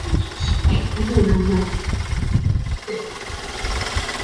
弘定五年出生。